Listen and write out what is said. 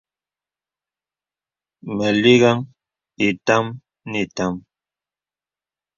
Mə liŋhəŋ itām ni itām.